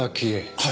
はい。